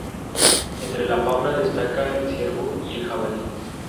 Entre la fauna destaca el ciervo y el jabalí.